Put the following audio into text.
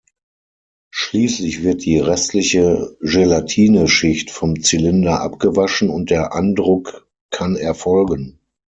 Schließlich wird die restliche Gelatineschicht vom Zylinder abgewaschen und der Andruck kann erfolgen.